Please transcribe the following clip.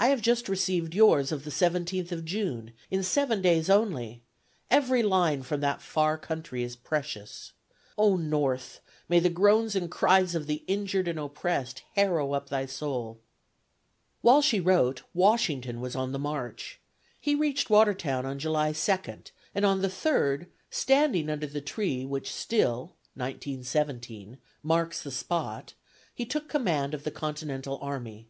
"I have just received yours of the 17th of June, in seven days only; every line from that far country is precious. ... O North, may the groans and cries of the injured and oppressed harrow up thy soul!" While she wrote, Washington was on the march. He reached Watertown on July 2d, and on the 3d, standing under the tree which still (1917) marks the spot, he took command of the Continental Army.